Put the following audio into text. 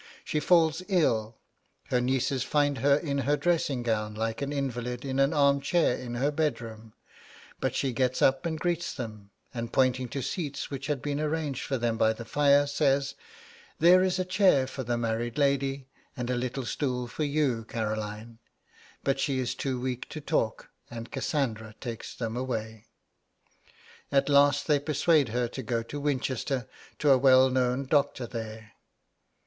She falls ill. Her nieces find her in her dressing gown, like an invalid, in an arm chair in her bedroom; but she gets up and greets them, and, pointing to seats which had been arranged for them by the fire, says: 'There is a chair for the married lady, and a little stool for you, Caroline.' But she is too weak to talk, and Cassandra takes them away. At last they persuade her to go to Winchester, to a well known doctor there.